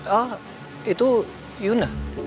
oh itu yuna